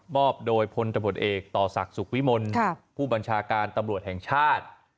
อบโดยพลตำรวจเอกต่อศักดิ์สุขวิมลผู้บัญชาการตำรวจแห่งชาติ